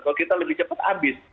kalau kita lebih cepat habis